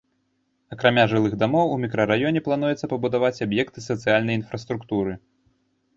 Акрамя жылых дамоў, у мікрараёне плануецца пабудаваць аб'екты сацыяльнай інфраструктуры.